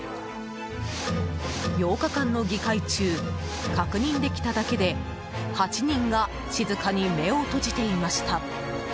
８日間の議会中確認できただけで８人が静かに目を閉じていました。